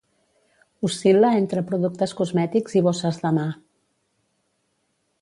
Oscil·la entre productes cosmètics i bosses de mà.